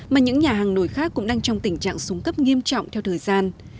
mà những nhà hàng nổi khác cũng đang trong tình trạng xuống cấp nghiêm trọng theo thời gian